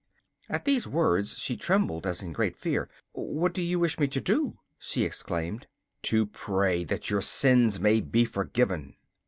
At these words she trembled as in great fear. 'What do you wish me to do?' she exclaimed. 'To pray that your sins may be forgiven.